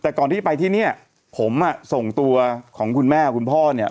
แต่ก่อนที่ไปที่เนี่ยผมอ่ะส่งตัวของคุณแม่คุณพ่อเนี่ย